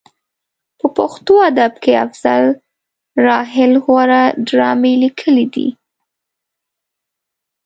په پښتو ادب کې افضل راحل غوره ډرامې لیکلې دي.